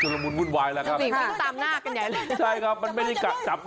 ชุดรมุนวุ่นวายแล้วครับ